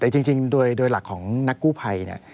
แต่จริงโดยหลักของนักกู้ไพร